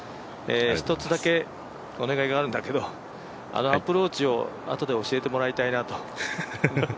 一つだけお願いがあるんだけどアプローチをあとで教えてもらいたいなと。